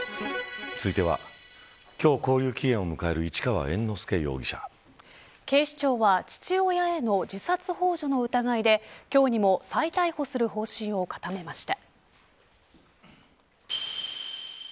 続いては、今日勾留期限を迎える警視庁は父親への自殺ほう助の疑いで今日にも再逮捕する方針を固めました。